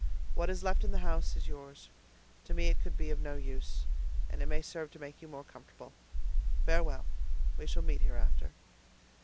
What is left in the house is yours; to me it could be of no use, and it may serve to make you more comfortable. Farewell—we shall meet hereafter."